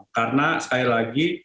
karena sekali lagi